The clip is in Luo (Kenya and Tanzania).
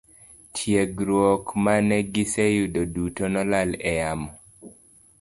Tiegruok mane giseyudo duto nolal e yamo.